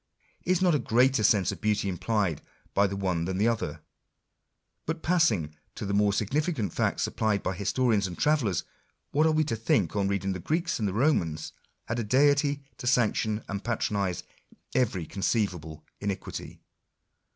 Is not a greater sense of beauty implied by the one than the others ? But, passing to the more significant facts supplied by historians and travellers, what are we to think on reading that the Greeks and Romans had a deity to sanction and patronise every conceivable iniquity